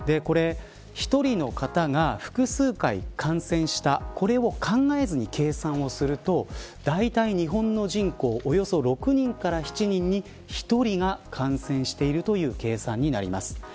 １人の方が複数回感染したこれを考えずに計算するとだいたい日本の人口、およそ６人から７人に１人が感染しているという計算になります。